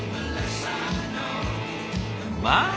まあ！